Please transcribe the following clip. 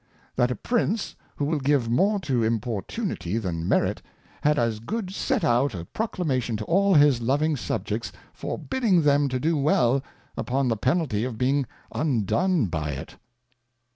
That a Prince, who will give more to Importunity than Merit, had as good set out a Proclamation to all his Loving Subjects, forbidding them to do well, upon the penalty of being undone by it.